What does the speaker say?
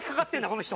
この人。